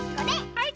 はい！